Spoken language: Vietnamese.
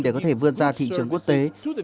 để có thể vươn ra thị trường quốc tế